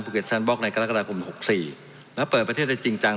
แซนบล็อกในกรกฎาคมหกสี่แล้วเปิดประเทศได้จริงจัง